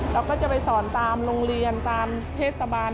เราก็จะไปสอนตามโรงเรียนตามเทศบาล